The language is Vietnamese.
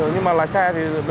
nhưng mà lái xe thì